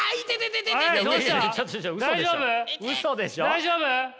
大丈夫？